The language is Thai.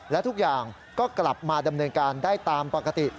และทุกอย่างก็กลับมาดำเนินการได้ตามปกติ